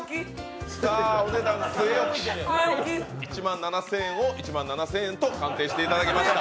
お値段据え置き、１万７０００円を１万７０００円と鑑定していただきまいた。